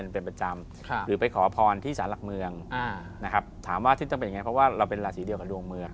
เพราะว่าเราเป็นราศีเดียวกับดวงเมือ